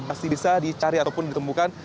masih bisa dicari ataupun ditemukan